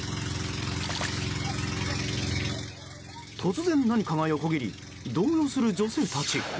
突然、何かが横切り動揺する女性たち。